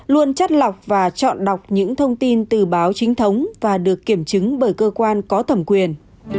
luôn chắt lọc và chọn đọc những thông tin từ báo chính thống và được kiểm chứng bởi cơ quan có thẩm quyền